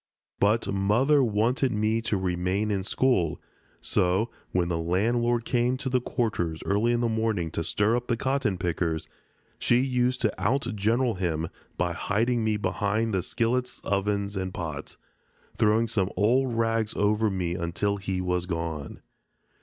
But Mother wanted me to remain in school, so, when the landlord came to the quarters early in the morning to stir up the cotton pickers, she used to outgeneral him by hiding me behind the skillets, ovens, and pots, throwing some old rags over me until he was gone.